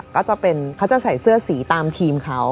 เขาจะใส่เสื้อสีตามทีมเขา